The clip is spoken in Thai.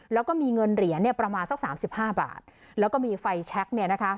แล้วก็มีเงินเหรียญเนี่ยประมาณสักสามสิบห้าบาทแล้วก็มีไฟแชคเนี่ยนะคะ